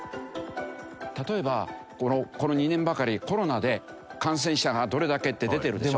例えばこの２年ばかりコロナで感染者がどれだけって出てるでしょ。